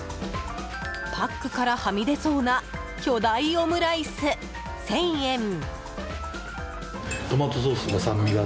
パックからはみ出そうな巨大オムライス、１０００円。